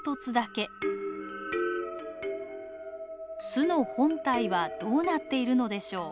巣の本体はどうなっているのでしょう。